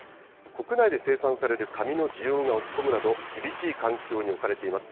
国内で生産される紙の需要が落ち込むなど、厳しい環境に置かれています。